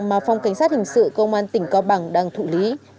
mà phòng cảnh sát hình sự công an tỉnh cao bằng đang thụ lý